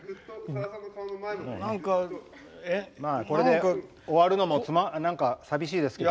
これで終わるのも寂しいですけど。